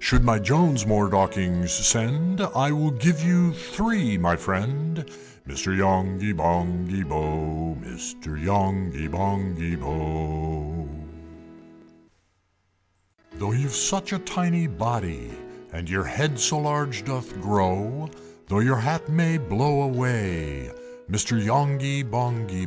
Should my Jones more Dorkings send, I will give you three, my friend! Mr. Yonghy Bongy Bò! Mr. Yonghy Bonghy Bò! VII. "Though you've such a tiny body, And your head so large doth grow, Though your hat may blow away, Mr. Yonghy Bonghy Bò!